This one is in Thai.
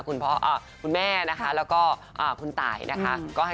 คุณแม่แล้วก็คุณตายนะคะ